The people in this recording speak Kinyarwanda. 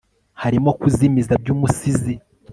Harimo kuzimiza byumusizi